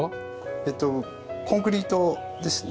えっとコンクリートですね。